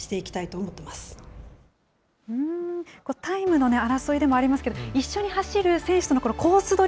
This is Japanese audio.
タイムの争いでもありますけど、一緒に走る選手とのコース